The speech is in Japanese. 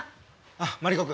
あマリコ君。